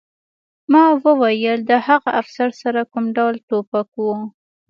ما وویل د هغه افسر سره کوم ډول ټوپک و